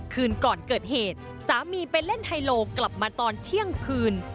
คืนก่อนเกิดเหตุสามีไปเล่นไฮโลกลับมาตอนเที่ยงคืน